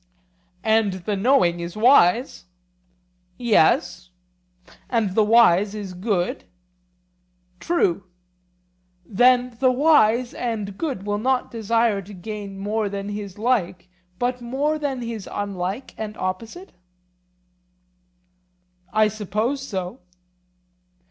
And the knowing is wise? Yes. And the wise is good? True. Then the wise and good will not desire to gain more than his like, but more than his unlike and opposite? I suppose so.